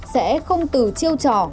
sẽ không từ chiêu trò